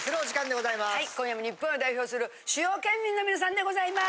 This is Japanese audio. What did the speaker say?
はい今夜も日本を代表する主要県民の皆さんでございます。